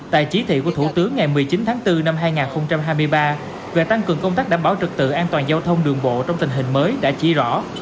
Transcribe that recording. tại chỉ thị của thủ tướng ngày một mươi chín tháng bốn năm hai nghìn hai mươi ba về tăng cường công tác đảm bảo trực tự an toàn giao thông đường bộ trong tình hình mới đã chỉ rõ